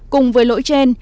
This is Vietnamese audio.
cùng với lỗi trên